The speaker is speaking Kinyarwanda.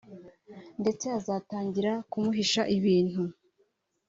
ndetse azatangira kumuhisha ibintu